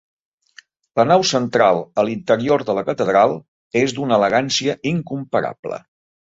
La nau central a l'interior de la catedral és d'una elegància incomparable.